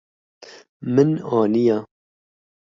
Min aniye.